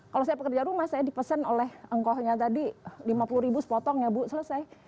kalau saya pekerja rumah saya dipesan oleh engkohnya tadi lima puluh ribu sepotong ya bu selesai